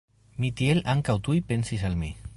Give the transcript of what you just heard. Mi tiel ankaŭ tuj pensis al mi!